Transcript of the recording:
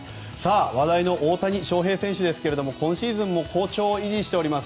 話題の大谷翔平選手ですが今シーズンも好調を維持しています。